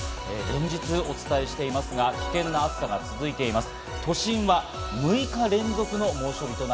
連日、お伝えしていますが、危険な暑さが続いています。